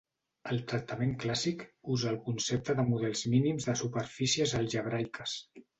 El tractament clàssic usa el concepte de models mínims de superfícies algebraiques.